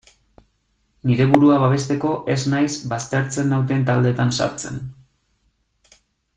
Nire burua babesteko ez naiz baztertzen nauten taldeetan sartzen.